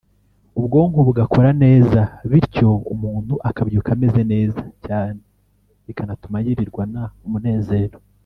ubwonko bugakora neza bityo umuntu akabyuka ameze neza cyane bikanatuma yirirwana umunezero